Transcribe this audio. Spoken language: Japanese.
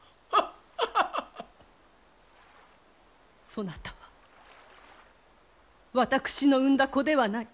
そなたは私の産んだ子ではない！